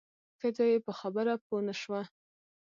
ښځه یې په خبره پوه نه شوه.